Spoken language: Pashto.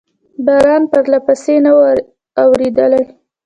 باران پرلپسې نه و اورېدلی.